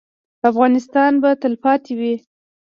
افغانستان به تلپاتې وي؟